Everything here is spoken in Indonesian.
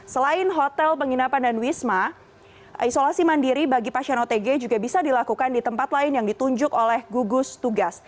selain hotel penginapan dan wisma isolasi mandiri bagi pasien otg juga bisa dilakukan di tempat lain yang ditunjuk oleh gugus tugas